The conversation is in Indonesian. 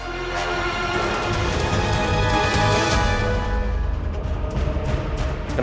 jangan ke kau